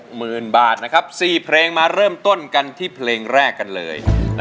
หมื่นบาทนะครับ๔เพลงมาเริ่มต้นกันที่เพลงแรกกันเลย